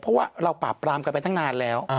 เพราะว่าเราปราบปรามกันไปตั้งนานแล้ว